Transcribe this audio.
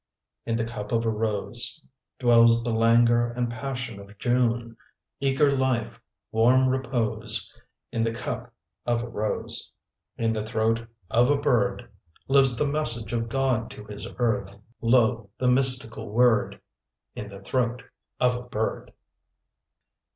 In the cup of a rose Dwells the languor and passion of June, Eager life, warm repose, In the cup of a rose. In the throat of a bird Lives the message of God to His earth, Lo! the mystical word In the throat of a bird!